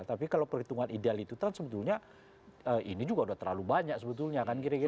tapi kalau perhitungan ideal itu kan sebetulnya ini juga udah terlalu banyak sebetulnya kan kira kira